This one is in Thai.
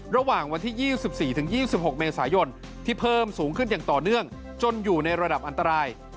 ระหว่างวันที่๒๔๒๖เมษายนที่เพิ่มสูงขึ้นอย่างต่อเนื่องจนอยู่ในระดับอันตราย